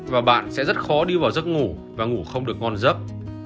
và bạn sẽ rất khó đi vào giấc ngủ và ngủ không được ngon giấc